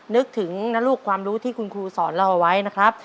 นึกถึงนะลูกความรู้ที่คุณครูสอนเราเอาไว้นะครับ